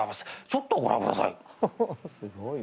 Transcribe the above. ちょっとご覧ください」